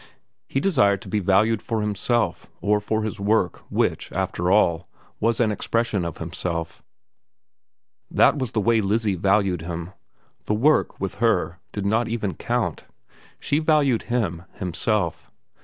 He desired to be valued for himself, or for his work, which, after all, was an expression of himself. That was the way Lizzie valued him. The work, with her, did not even count. She valued him, himself.